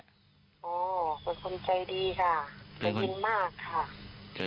อ๋อเป็นคนใจดีค่ะได้ยินมากค่ะ